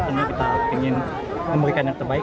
tentunya kita ingin memberikan yang terbaik